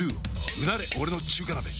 うなれ俺の中華鍋！